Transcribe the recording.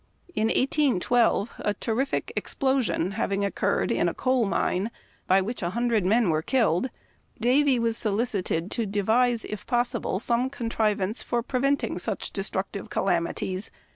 In 1812 a terrific explosion having occurred in a coal mine, by which a hundred men were killed, Davy was solicited to devise, if possi ble, some contrivance for preventing such destructive calami ties.